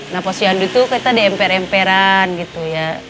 nah pos cihandu itu kita di emper emperan gitu ya